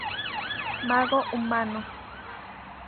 Mago Humano.